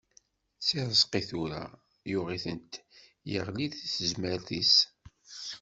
Si Rezqi tura yuɣ-itent yeɣli di tezmert-is.